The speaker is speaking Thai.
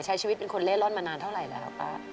ใช้ชีวิตเป็นคนเล่ร่อนมานานเท่าไหร่แล้วป้า